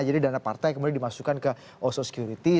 jadi dana partai kemudian dimasukkan ke oso security